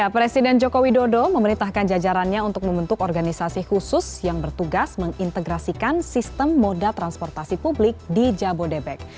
presiden joko widodo memerintahkan jajarannya untuk membentuk organisasi khusus yang bertugas mengintegrasikan sistem moda transportasi publik di jabodebek